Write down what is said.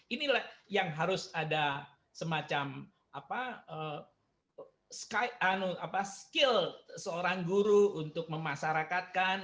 ini yang harus ada semacam skill seorang guru untuk memasarakatkan